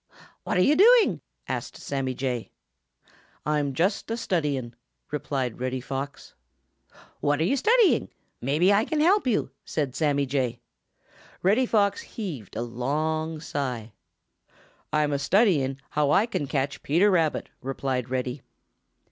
"What are you doing?" asked Sammy Jay. "I'm just a studying," replied Reddy Fox. "What are you studying? Perhaps I can help you," said Sammy Jay. Reddy Fox heaved a long sigh. "I'm a studying how I can catch Peter Rabbit," replied Reddy.